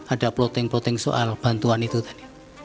ada plotting plotting soal bantuan itu tadi